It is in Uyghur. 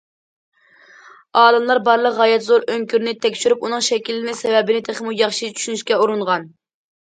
ئالىملار بارلىق غايەت زور ئۆڭكۈرنى تەكشۈرۈپ، ئۇنىڭ شەكىللىنىش سەۋەبىنى تېخىمۇ ياخشى چۈشىنىشكە ئۇرۇنغان.